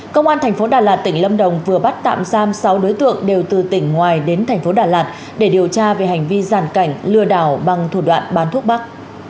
công an thành phố đà lạt tỉnh lâm đồng vừa bắt tạm giam sáu đối tượng đều từ tỉnh ngoài đến thành phố đà lạt để điều tra về hành vi giàn cảnh lừa đảo bằng thủ đoạn bán thuốc bắc